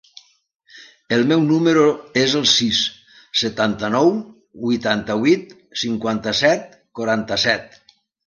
El meu número es el sis, setanta-nou, vuitanta-vuit, cinquanta-set, quaranta-set.